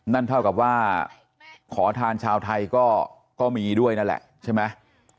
นั่นเท่ากับว่าขอทานชาวไทยก็มีด้วยนั่นแหละใช่ไหม